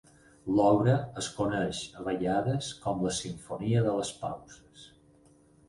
L'obra es coneix a vegades com la "Simfonia de les pauses".